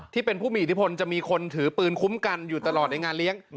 ที่เป็นผู้มีอิทธิพลจะมีคนถือปืนคุ้มกันอยู่ตลอดในงานเลี้ยง